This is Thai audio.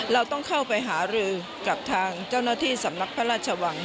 เราต้องเข้าไปหารือกับทางเจ้าหน้าที่สำนักพระราชวัง